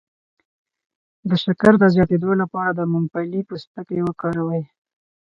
د شکر د زیاتیدو لپاره د ممپلی پوستکی وکاروئ